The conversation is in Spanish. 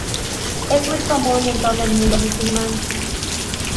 Es muy común en todo el mundo musulmán.